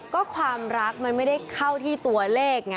ก็ความรักมันไม่ได้เข้าที่ตัวเลขไง